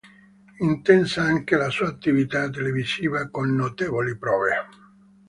Intensa anche la sua attività televisiva con notevoli prove.